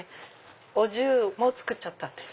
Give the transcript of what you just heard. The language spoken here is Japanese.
お重も作っちゃったんです。